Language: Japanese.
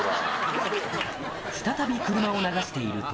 再び車を流していると。